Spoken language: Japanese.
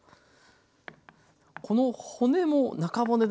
この骨も中骨も。